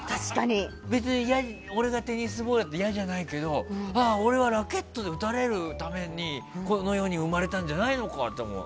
別に俺がテニスボールだったとして嫌じゃないけど俺はラケットで打たれるためにこの世に生まれたんじゃないのかって。